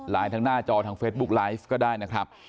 ทั้งหน้าจอทางเฟซบุ๊คไลฟ์ก็ได้นะครับ